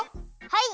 はい！